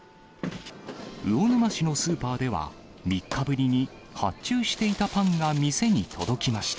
魚沼市のスーパーでは、３日ぶりに発注していたパンが店に届きました。